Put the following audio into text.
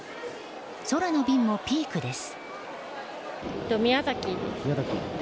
空の便もピークです。